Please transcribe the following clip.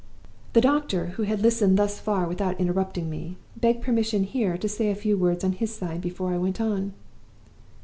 "The doctor, who had listened thus far without interrupting me, begged permission here to say a few words on his side before I went on.